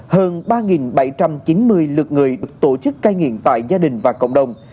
hơn ba bảy trăm chín mươi lượt người được tổ chức cai nghiện tại gia đình và cộng đồng